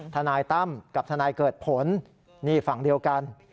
ทนายตั้มกับทนายเกิดผลนี่ฝั่งเดียวกัน